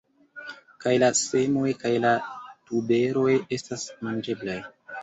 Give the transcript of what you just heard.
Kaj la semoj kaj la tuberoj estas manĝeblaj.